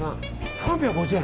３５０円？